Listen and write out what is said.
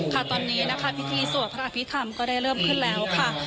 ค่ะตอนนี้นะคะพิธีสวดพระอภิษฐรรมก็ได้เริ่มขึ้นแล้วค่ะ